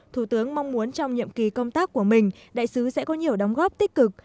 thủ tướng mong muốn trong nhiệm kỳ công tác của mình đại sứ sẽ có nhiều đóng góp tích cực